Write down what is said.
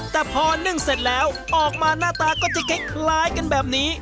แต่พอนึ่งเสร็จแล้วออกมาหน้าตาก็จะคล้ายกันแบบนี้